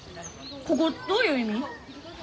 ここどういう意味？